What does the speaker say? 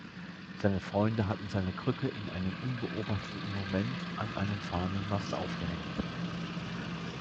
Seine Freunde hatten seine Krücke in einem unbeobachteten Moment an einem Fahnenmast aufgehängt.